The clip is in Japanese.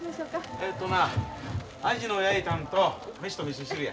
えっとな鯵の焼いたんと飯とみそ汁や。